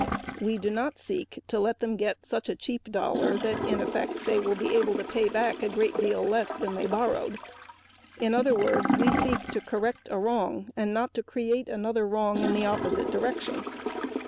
We do not seek to let them get such a cheap dollar that they will be able to pay back a great deal less than they borrowed. In other words, we seek to correct a wrong and not to create another wrong in the opposite direction.